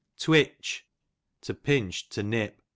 Twitch, to pinch, to nip.